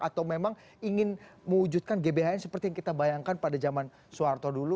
atau memang ingin mewujudkan gbhn seperti yang kita bayangkan pada zaman soeharto dulu